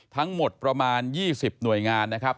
ทั้งหมดประมาณ๒๐หน่วยงานนะครับ